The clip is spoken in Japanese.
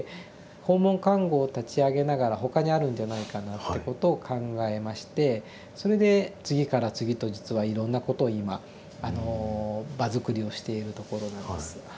訪問看護を立ち上げながら他にあるんじゃないかなってことを考えましてそれで次から次と実はいろんなことを今場づくりをしているところなんです。